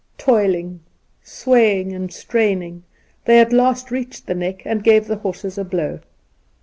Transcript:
Toiling, swaying, and straining, they at last reached the Neck, and gave the horses a blow.